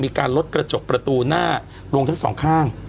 มีการลดกระจกประตูหน้าลงทั้งสองข้าง